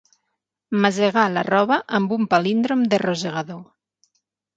Masegar la roba amb un palíndrom de rosegador.